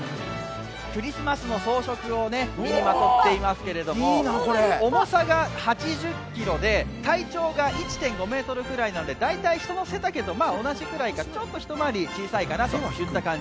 クリスマスの装飾を身にまとっていますけども重さが８０ｋｇで体長が１．５ｍくらいなので大体、人の背丈と同じくらいか一回り小さいかなという感じ。